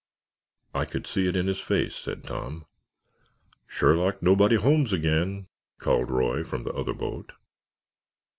"I could see it in his face," Tom said. "Sherlock Nobody Holmes again," called Roy from the other boat.